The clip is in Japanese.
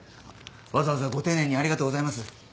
わざわざご丁寧にありがとうございます。